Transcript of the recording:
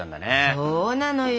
そうなのよ。